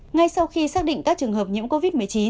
ngay sau khi xác định các trường hợp nhiễm covid một mươi chín